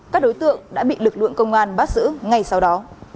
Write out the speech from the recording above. các đối tượng đã bị lực lượng công an bắt giữ ngay sau đó